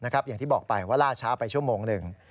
อย่างที่บอกไปว่าล่าช้าไปชั่วโมงหนึ่ง